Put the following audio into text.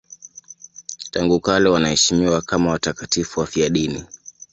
Tangu kale wanaheshimiwa kama watakatifu wafiadini.